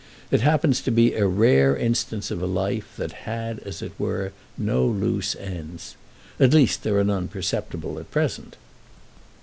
It happens to be a rare instance of a life that had, as it were, no loose ends. At least there are none perceptible at present."